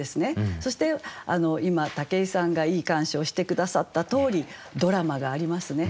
そして今武井さんがいい鑑賞をして下さったとおりドラマがありますね。